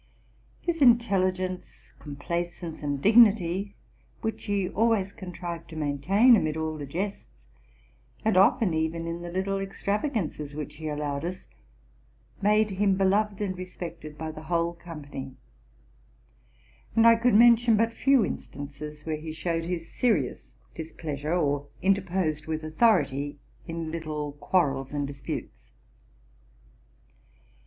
His intelligence, complaisance, and dignity, which he always contrived to maintain amid all the jests, and often even in the little extravagances, which he allowed us, made him be loved and respected by the whole company; and I could mention but few instances where he showed his serious dis pleasure, or interposed with authority in little quarrels and disputes.